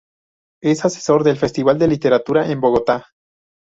Es Asesor del Festival de Literatura de Bogotá.